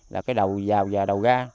là cái đầu giàu và đầu ga